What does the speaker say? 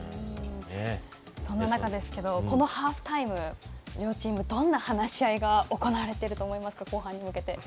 そんな中このハーフタイム両チーム、どんな話し合いが行われていると思いますか？